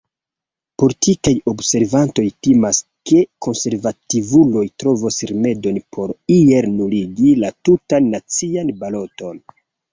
Politikaj observantoj timas, ke konservativuloj trovos rimedon por iel nuligi la tutan nacian baloton.